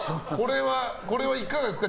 これはいかがですか？